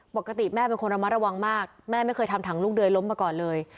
ปกติแม่เป็นคนระมัดระวังมากแม่ไม่เคยทำถังลูกเดยล้มมาก่อนเลย